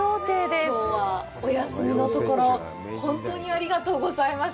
きょうはお休みのところ、本当にありがとうございます！